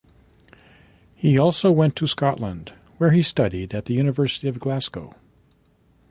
He also went to Scotland, where he studied at the University of Glasgow.